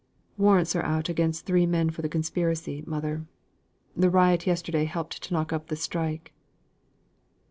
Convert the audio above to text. "Warrants are out against three men for conspiracy, mother. The riot yesterday helped to knock up the strike."